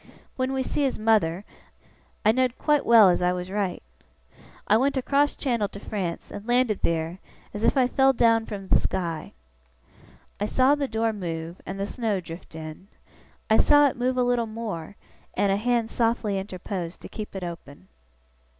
When we see his mother, I know'd quite well as I was right. I went across channel to France, and landed theer, as if I'd fell down from the sky.' I saw the door move, and the snow drift in. I saw it move a little more, and a hand softly interpose to keep it open.